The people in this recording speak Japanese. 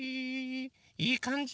いいかんじ。